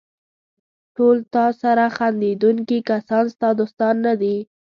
ټول تاسره خندېدونکي کسان ستا دوستان نه دي.